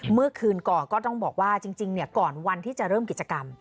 เมื่อคืนก่อนก็ต้องบอกว่าจริงก่อนวันที่จะเริ่มกิจกรรม